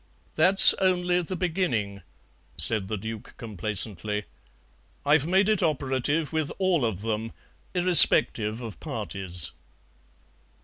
"That's only the beginning," said the Duke complacently; "I've made it operative with all of them, irrespective of parties."